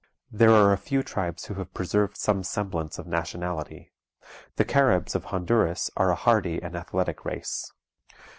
There are a few tribes who have preserved some semblance of nationality. The Caribs of Honduras are a hardy and athletic race.